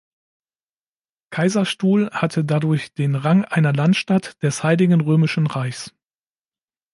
Kaiserstuhl hatte dadurch den Rang einer Landstadt des Heiligen Römischen Reichs.